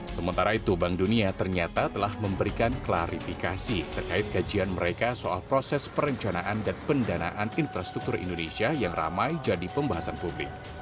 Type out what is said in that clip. sementara itu bank dunia ternyata telah memberikan klarifikasi terkait kajian mereka soal proses perencanaan dan pendanaan infrastruktur indonesia yang ramai jadi pembahasan publik